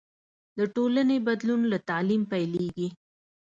د ټولنې بدلون له تعلیم پیلېږي.